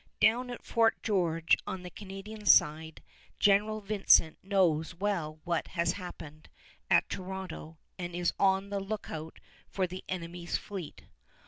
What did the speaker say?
Down at Fort George on the Canadian side General Vincent knows well what has happened at Toronto and is on the lookout for the enemy's fleet.